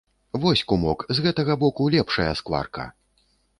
Вось, кумок, з гэтага боку лепшая скварка!